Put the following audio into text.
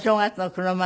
黒豆？